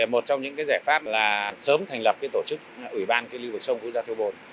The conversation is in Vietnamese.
một trong những giải pháp là sớm thành lập tổ chức ủy ban lưu vực sông quốc gia thơ bồn